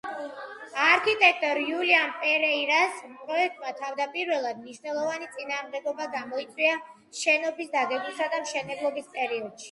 არქიტექტორ უილიამ პერეირას პროექტმა თავდაპირველად მნიშვნელოვანი წინააღმდეგობა გამოიწვია შენობის დაგეგმვისა და მშენებლობის პერიოდში.